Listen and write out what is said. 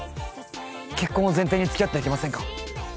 結婚を前提につきあっていきませんか。